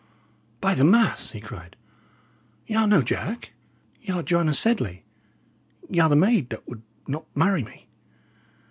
"By the mass!" he cried, "y' are no Jack; y' are Joanna Sedley; y' are the maid that would not marry me!"